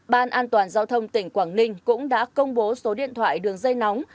ban an toàn giao thông tỉnh quảng ninh cũng đã công bố số điện thoại đường dây nóng